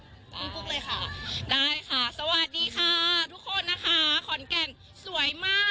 ได้ค่ะสวัสดีค่ะทุกคนนะคะ